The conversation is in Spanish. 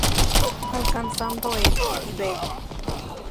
Alcanzando el Tíbet.